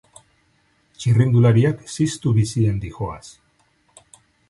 Txirrindulariak ziztu bizian dijoaz!